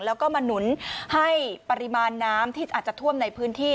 แล้วก็มาหนุนให้ปริมาณน้ำที่อาจจะท่วมในพื้นที่